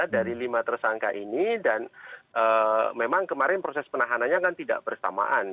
dari lima tersangka ini dan memang kemarin proses penahanannya kan tidak bersamaan